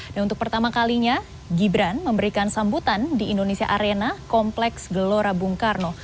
dan untuk pertama kalinya gibran memberikan sambutan di indonesia arena kompleks gelora bung karno